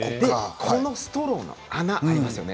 このストローの穴ありますよね。